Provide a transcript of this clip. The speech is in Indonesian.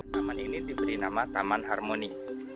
taman ini diberi nama taman harmoni